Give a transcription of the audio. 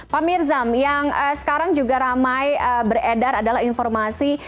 pak mirzam yang sekarang juga ramai beredar adalah informasi